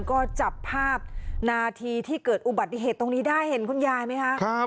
ก็จับภาพนาทีที่เกิดอุบัติเหตุตรงนี้ได้เห็นคุณยายไหมคะ